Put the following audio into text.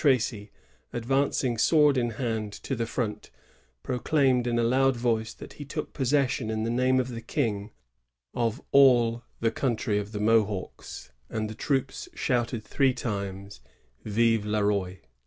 269 Tracy, adTUicing sword in hand to the front, pro olaimed in a loud voice that he took poeeession in the name of tiie King of all the country of the Mohawks ; and liie troops shouted three times, Vive hBoi.